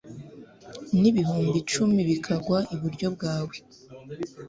n’ibihumbi cumi bikagwa iburyo bwawe